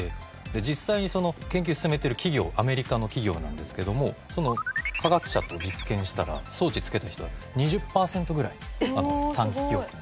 実際にその研究を進めてる企業アメリカの企業なんですけども科学者と実験したら装置つけた人は２０パーセントぐらい短期記憶が。